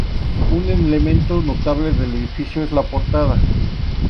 Un elemento notable del edificio es la portada.